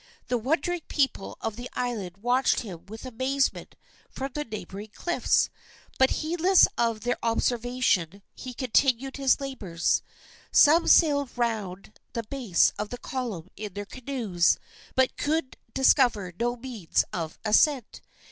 The wondering people of the island watched him with amazement from the neighboring cliffs, but, heedless of their observation, he continued his labors. Some sailed around the base of the column in their canoes, but could discover no means of ascent.